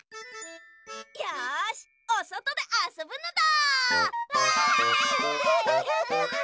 よしおそとであそぶのだ！